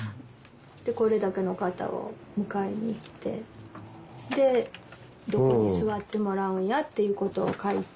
これだけの方を迎えに行ってどこに座ってもらうんやっていうことを書いて。